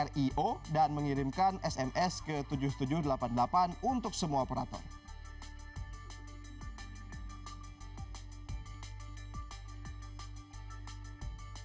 rio dan mengirimkan sms ke tujuh ribu tujuh ratus delapan puluh delapan untuk semua operator